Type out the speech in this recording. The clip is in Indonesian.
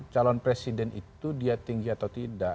calon presiden itu dia tinggi atau tidak